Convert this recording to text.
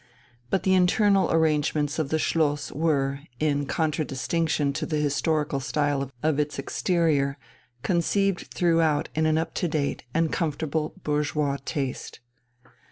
But the internal arrangements of the Schloss were, in contradistinction to the historical style of its exterior, conceived throughout in an up to date and comfortable bourgeois taste.